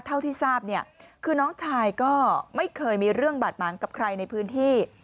เท่าที่ทราบเนี่ยคือน้องชายก็ไม่เคยมีเรื่องบาดหมางกับใครในพื้นที่